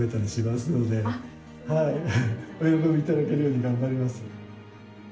はいお喜びいただけるように頑張ります。